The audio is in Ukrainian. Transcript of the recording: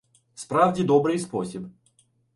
— Справді добрий спосіб.